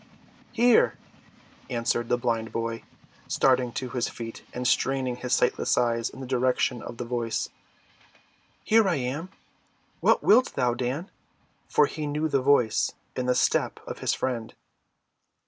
"Here!" answered the blind boy, starting to his feet and straining his sightless eyes in the direction of the voice. "Here am I. What wilt thou, Dan?" For he knew the voice and the step of his friend.